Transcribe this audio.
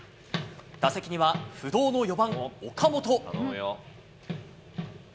打席には不動の４番岡本。